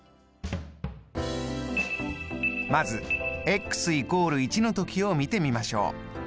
まず＝１の時を見てみましょう。